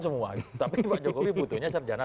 semua tapi pak jokowi butuhnya sarjana